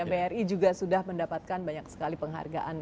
bri juga sudah mendapatkan banyak sekali penghargaan